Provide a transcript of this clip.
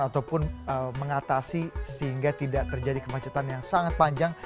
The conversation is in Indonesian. ataupun mengatasi sehingga tidak terjadi kemacetan yang sangat panjang